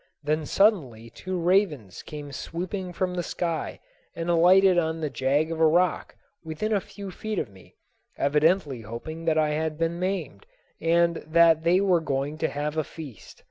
Then suddenly two ravens came swooping from the sky and alighted on the jag of a rock within a few feet of me, evidently hoping that I had been maimed and that they were going to have a feast.